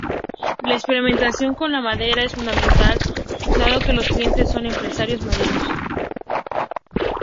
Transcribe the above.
La experimentación con la madera es fundamental dado que los clientes son empresarios madereros.